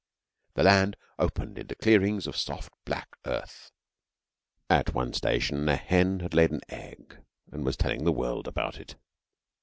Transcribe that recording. The land opened into clearings of soft black earth. At one station a hen had laid an egg and was telling the world about it.